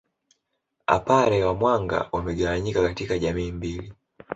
apare wa Mwanga wamegawanyika katika jamii mbili